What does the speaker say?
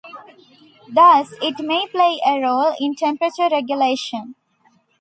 Thus, it may play a role in temperature regulation.